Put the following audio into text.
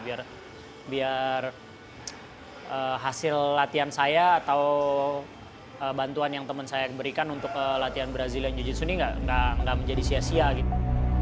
biar hasil latihan saya atau bantuan yang teman saya berikan untuk latihan brazilian jiu jitsu ini gak menjadi sia sia gitu